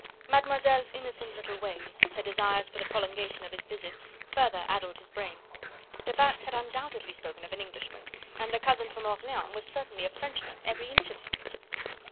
Mademoiselle's innocent little ways, her desire for the prolongation of his visit, further addled his brain. De Batz had undoubtedly spoken of an Englishman, and the cousin from Orleans was certainly a Frenchman every inch of him.